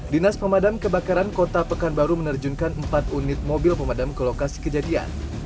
dinas pemadam kebakaran kota pekanbaru menerjunkan empat unit mobil pemadam ke lokasi kejadian